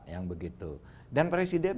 yang begitu dan presiden